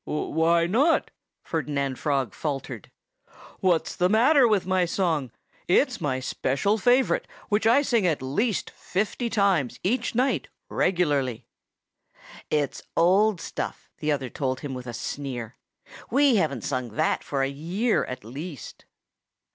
"Why not?" Ferdinand Frog faltered. "What's the matter with my song? It's my special favorite, which I sing at least fifty times each night, regularly." "It's old stuff," the other told him with a sneer. "We haven't sung that for a year, at least."